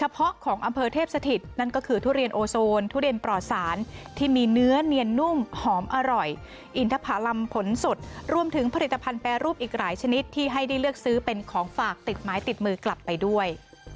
ประลำผลสดรวมถึงผลิตภัณฑ์แปรรูปอีกหลายชนิดที่ให้ได้เลือกซื้อเป็นของฝากติดไม้ติดมือกลับไปด้วย